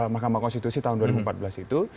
mahkamah konstitusi tahun dua ribu empat belas itu